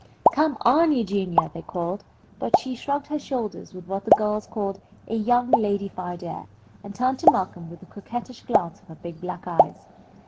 "Come on, Eugenia," they called, but she shrugged her shoulders with what the girls called a "young ladified air," and turned to Malcolm with a coquettish glance of her big black eyes.